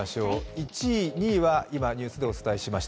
１位、２位は今ニュースでお伝えしました。